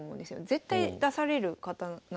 絶対出される方なので。